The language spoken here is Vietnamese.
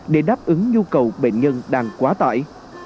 để đáp ứng nhu cầu bệnh nhân đang quá tải